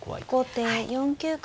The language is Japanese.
後手４九角。